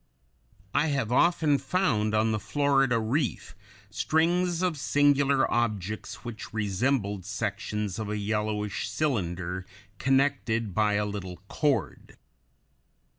I have often found on the Florida Reef strings (Fig. 98) of singular objects which resembled sections of a yellowish cylinder connected by a little cord.